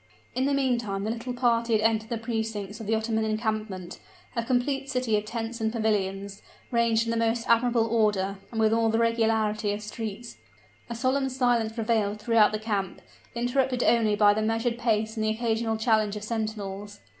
In the meantime the little party had entered the precincts of the Ottoman encampment, a complete city of tents and pavilions, ranged in the most admirable order, and with all the regularity of streets. A solemn silence prevailed throughout the camp, interrupted only by the measured pace and the occasional challenge of sentinels.